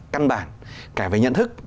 căn bản cả về nhận thức